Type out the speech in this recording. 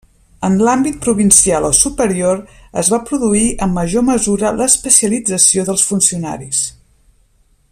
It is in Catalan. En l'àmbit provincial o superior, es va produir en major mesura l'especialització dels funcionaris.